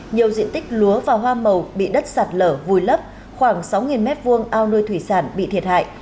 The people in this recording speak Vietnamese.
nhiều diện tích lúa và hoa màu bị đất sạt lở vùi lấp khoảng sáu m hai ao nuôi thủy sản bị thiệt hại